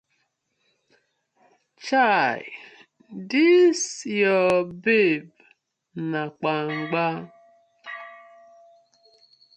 Chai dis yur babe na kpangba.